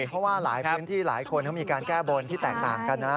พื้นที่หลายคนมีการแก้โบนที่แตกต่างกันนะ